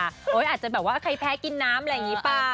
อาจจะแบบว่าใครแพ้กินน้ำแบบนี้เปล่า